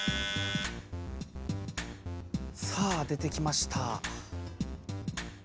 さあ出てきました。